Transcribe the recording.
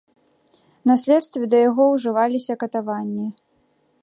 На следстве да яго ўжываліся катаванні.